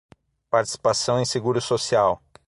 Participação em seguro social